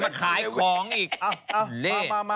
มาขายของอีกอุ่นเล่น